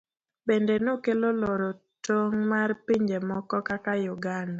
Bende nokelo loro tong' mag pinje moko kaka Uganda.